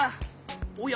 おや？